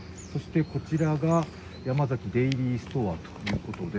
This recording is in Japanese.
こちらがヤマザキデイリーストアです。